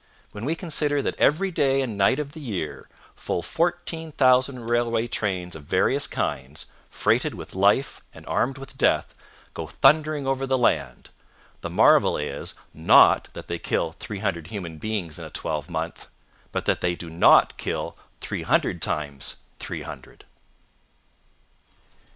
When we consider that every day and night of the year full fourteen thousand railway trains of various kinds, freighted with life and armed with death, go thundering over the land, the marvel is, _not _that they kill three hundred human beings in a twelvemonth, but that they do not kill three hundred times three hundred!